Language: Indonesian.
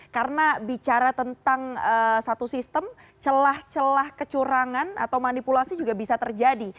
karena bicara tentang satu sistem celah celah kecurangan atau manipulasi juga bisa terjadi